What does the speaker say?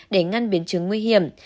để ngăn biến chứng nguy hiểm